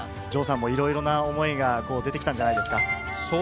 城さんもいろいろな思いが出てきたんじゃないですか？